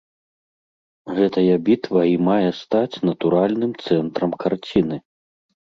Гэтая бітва і мае стаць натуральным цэнтрам карціны.